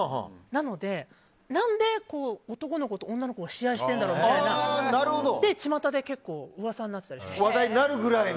なので、何で男の子と女の子が試合してるんだろうみたいなのでちまたで結構噂になってたりしました。